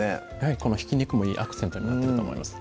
このひき肉もいいアクセントになってると思います